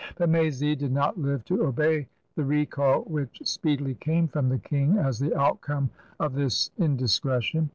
But M&y did not live to obey the recall which speedily came from the King as the outcome of this indis cretion.